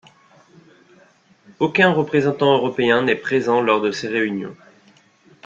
Aucun représentant européen n’est présent lors de ces réunions.